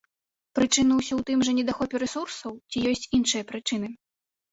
Прычына ўсё ў тым жа, недахопе рэсурсаў, ці ёсць іншыя прычыны?